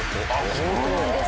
そうなんです。